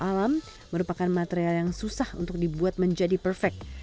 alam merupakan material yang susah untuk dibuat menjadi perfect